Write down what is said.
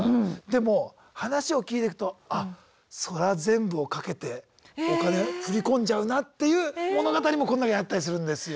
でも話を聞いてくとあっそら全部を懸けてお金振り込んじゃうなっていう物語もこの中にあったりするんですよ。